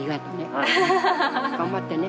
頑張ってね。